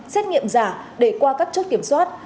xét nghiệm giả để qua các chốt kiểm soát